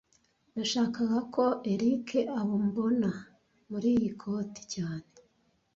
Nashakaga ko Eric ambona muri iyi koti cyane